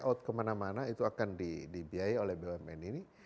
out kemana mana itu akan dibiayai oleh bumn ini